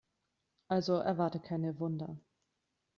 Also erwarte keine Wunder.